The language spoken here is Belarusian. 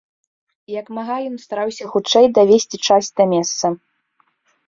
Як мага ён стараўся хутчэй давезці часць да месца.